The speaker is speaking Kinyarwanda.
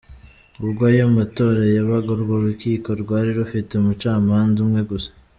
Ubwo ayo matora yabaga, urwo rukiko rwari rufite umucamanza umwe gusa.